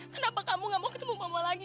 kenapa kamu gak mau ketemu mama lagi